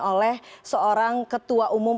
oleh seorang ketua umum